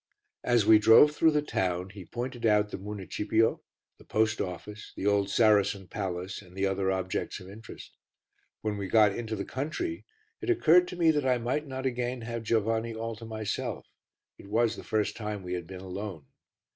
As we drove through the town, he pointed out the municipio, the post office, the old Saracen palace, and the other objects of interest. When we got into the country, it occurred to me that I might not again have Giovanni all to myself, it was the first time we had been alone.